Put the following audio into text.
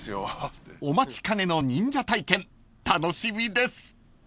［お待ちかねの忍者体験楽しみです］